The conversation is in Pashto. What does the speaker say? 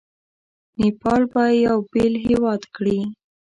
نیپال به یو بېل هیواد کړي.